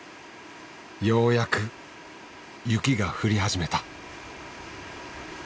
ようやく雪が降り始めた。